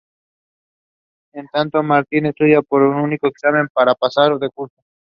En tanto Martín estudia para el último examen para pasar de curso.